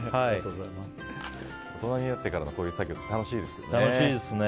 大人になってからのこういう作業って楽しいですよね。